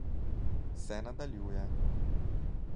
Se nadaljuje ...